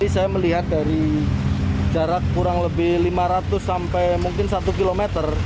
saya melihat dari jarak kurang lebih lima ratus sampai mungkin satu km